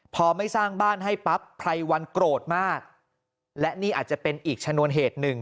พอไม่สร้างบ้านให้ปั๊บไพรวันโกรธมากและนี่อาจจะเป็นอีกชนวนเหตุหนึ่ง